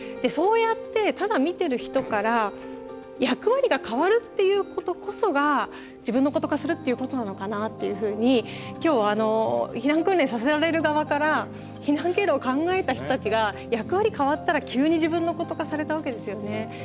そうやってただ見てる人から役割が変わるっていうことこそが「自分のこと化」するっていうことなのかなっていうふうに今日あの避難訓練させられる側から避難経路を考えた人たちが役割変わったら急に「自分のこと化」されたわけですよね。